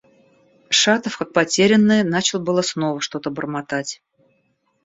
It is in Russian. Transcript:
Шатов как потерянный начал было снова что-то бормотать.